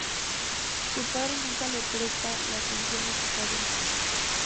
Su padre nunca le presta la atención necesaria.